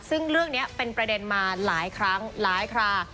ซึ่งเรื่องนี้เป็นประเด็นมาหลายครั้งหลายครา